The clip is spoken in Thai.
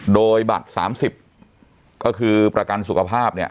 โดยบัตร๓๐ก็คือประกันสุขภาพเนี่ย